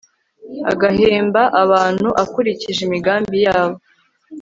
agahemba abantu akurikije imigambi yabo